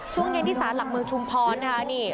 ช่วงเย็นที่ศาสตร์หลักมึงชุมพรศ์นะคะนี่